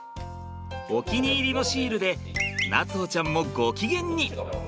お気に入りのシールで夏歩ちゃんもご機嫌に！